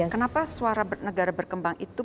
kenapa suara negara berkembang itu